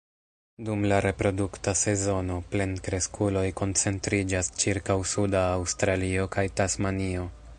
Dum la reprodukta sezono, plenkreskuloj koncentriĝas ĉirkaŭ suda Aŭstralio kaj Tasmanio.